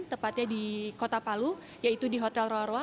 tepatnya di kota palu yaitu di hotel roroa